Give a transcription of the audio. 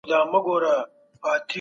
حضوري ټولګي د ملګرو مرسته زياتوي.